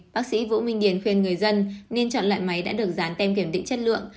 bác sĩ vũ minh điền khuyên người dân nên chọn loại máy đã được dán tem kiểm định chất lượng